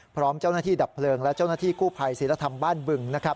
พร้อมเจ้าหน้าที่ดับเพลิงและเจ้าหน้าที่กู้ภัยศิลธรรมบ้านบึง